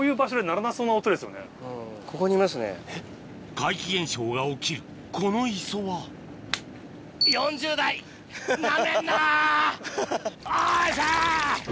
怪奇現象が起きるこの磯はよいしょ！